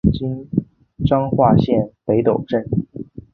今彰化县北斗镇。